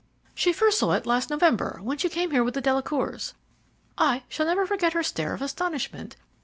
"She first saw it last November, when she came here with the Delacours. I shall never forget her stare of astonishment.